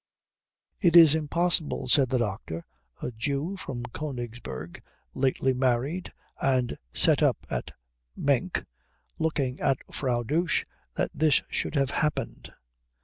"It is impossible," said the doctor, a Jew from Königsberg, lately married and set up at Menk, looking at Frau Dosch, "that this should have happened."